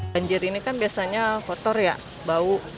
banjir ini kan biasanya kotor ya bau